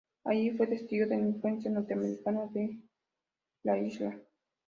Allí fue testigo de la influencia norteamericana en la isla.